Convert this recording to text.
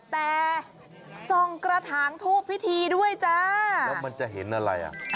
แต่ส่องกระถางทูบพิธีด้วยจ้าแล้วมันจะเห็นอะไรอ่ะ